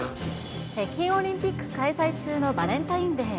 北京オリンピック開催中のバレンタインデー。